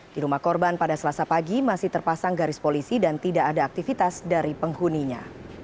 di rumah korban pada selasa pagi masih terpasang garis polisi dan tidak ada aktivitas dari penghuninya